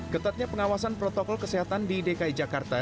ketatnya pengawasan protokol kesehatan di dki jakarta